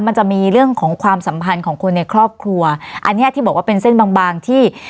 มันจะมีเรื่องของความสัมพันธ์ของคนในครอบครัวอันเนี้ยที่บอกว่าเป็นเส้นบางบางที่